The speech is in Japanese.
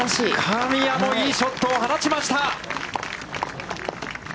神谷も、いいショットを放ちました。